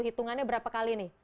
hitungannya berapa kali nih